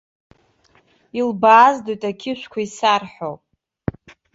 Илбааздоит ақьышәқәа исарҳәо.